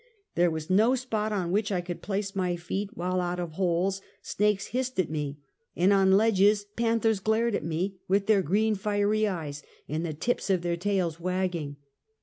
There was no spot on which I could place my feet, while out of holes, snakes hissed at me, and on ledges panthers glared at me with their green fiery eyes, and the tips of their tails wagging.